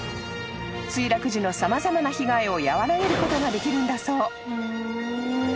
［墜落時の様々な被害を和らげることができるんだそう］